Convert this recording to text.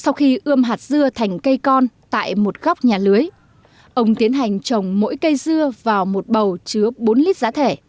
sau khi ươm hạt dưa thành cây con tại một góc nhà lưới ông tiến hành trồng mỗi cây dưa vào một bầu chứa bốn lít giá thể